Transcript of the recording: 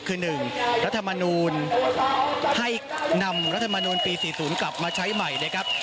คือ๑รัฐมนูลให้นำรัฐมนูลปี๔๐กลับมาใช้ใหม่นะครับ